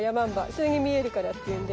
それに見えるからっていうんで。